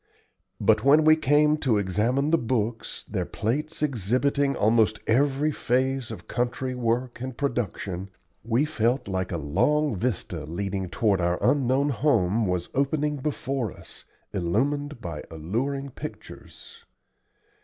But when we came to examine the books, their plates exhibiting almost every phase of country work and production, we felt like a long vista leading toward our unknown home was opening before us, illumined by alluring pictures.